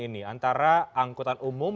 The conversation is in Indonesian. ini antara angkutan umum